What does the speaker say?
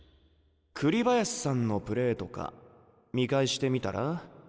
栗林さんのプレーとか見返してみたら？